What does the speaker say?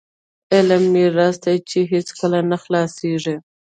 علم میراث دی چې هیڅکله نه خلاصیږي.